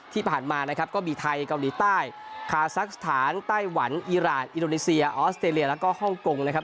ที่ผ่านมานะครับก็มีไทยเกาหลีใต้คาซักสถานไต้หวันอีรานอินโดนีเซียออสเตรเลียแล้วก็ฮ่องกงนะครับ